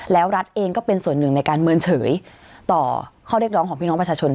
แล้วรัฐเองก็เป็นส่วนหนึ่งในการเมินเฉยต่อข้อเรียกร้องของพี่น้องประชาชน